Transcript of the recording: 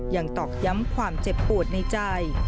ตอกย้ำความเจ็บปวดในใจ